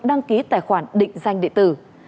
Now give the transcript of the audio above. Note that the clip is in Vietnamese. đăng ký tài khoản định danh địa tử